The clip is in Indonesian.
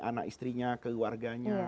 anak istrinya keluarganya